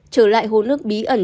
trở lại hồ nước bí ẩn